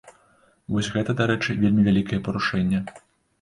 Вось гэта, дарэчы, вельмі вялікае парушэнне.